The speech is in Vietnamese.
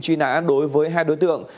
truy nã đối với hai đối tượng